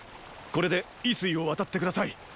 これで渭水を渡って下さい！